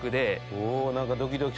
おぉ何かドキドキする。